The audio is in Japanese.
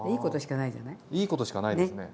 いいことしかないですね。